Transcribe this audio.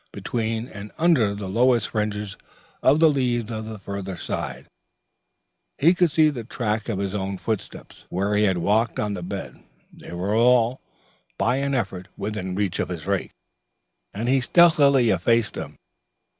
Between, and under the lowest fringe of leaves on the farther side, he could see the track of his own footsteps, where he had walked on the bed. They were all, by an effort, within reach of his rake, and he stealthily effaced them.